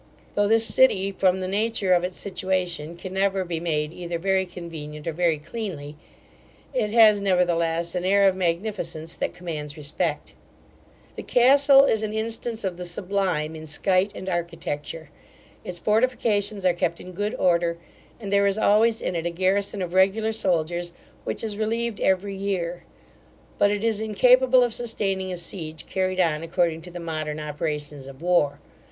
Though this city, from the nature of its situation, can never be made either very convenient or very cleanly, it has, nevertheless, an air of magnificence that commands respect. The castle is an instance of the sublime in scite and architecture. Its fortifications are kept in good order, and there is always in it a garrison of regular soldiers, which is relieved every year; but it is incapable of sustaining a siege carried on according to the modern operations of war.